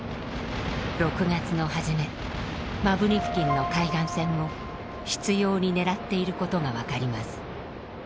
６月の初め摩文仁付近の海岸線を執拗に狙っていることが分かります。